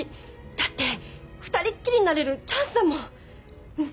だって２人っきりになれるチャンスだもん。